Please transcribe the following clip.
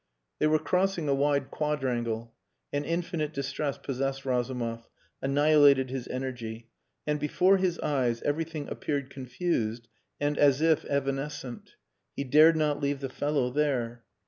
They were crossing a wide quadrangle. An infinite distress possessed Razumov, annihilated his energy, and before his eyes everything appeared confused and as if evanescent. He dared not leave the fellow there.